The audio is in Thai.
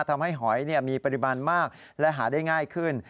หอยมีปริมาณมากและหาได้ง่ายขึ้น